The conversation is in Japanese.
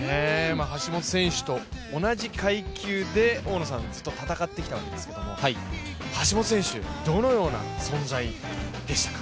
橋本選手と同じ階級で大野さん、ずっと戦ってきたんですけれども、橋本選手、どのような存在でしたか？